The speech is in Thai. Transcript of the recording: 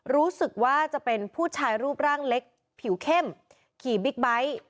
รู้สึกว่าจะเป็นผู้ชายรูปร่างเล็กผิวเข้มขี่บิ๊กไบท์